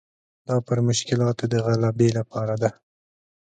دا پر مشکلاتو د غلبې لپاره ده.